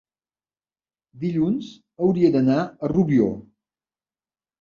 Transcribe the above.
dilluns hauria d'anar a Rubió.